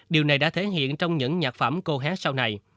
điều này đã thể hiện trong những nhạc phẩm cô hé sau này